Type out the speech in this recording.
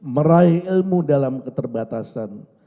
meraih ilmu dalam keterbatasan